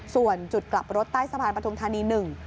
ส่วนจุดกลับรถใต้สะพานปธุมธรรมดิหนึ่ง